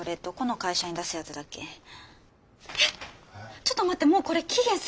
ちょっと待ってもうこれ期限過ぎてない？